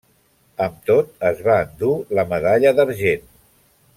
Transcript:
Amb tot, es va endur la medalla d'argent.